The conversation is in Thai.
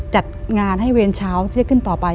จัดงานให้เวรเช้า